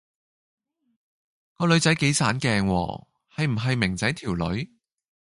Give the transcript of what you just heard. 個女仔幾省鏡喎，係唔係明仔條女